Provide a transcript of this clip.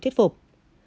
trần my thuyết phục